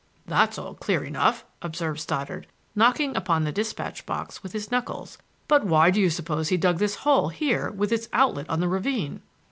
"That's all clear enough," observed Stoddard, knocking upon the despatch box with his knuckles. "But why do you suppose he dug this hole here with its outlet on the ravine?"